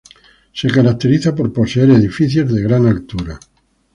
Se caracteriza por poseer edificios de gran altura.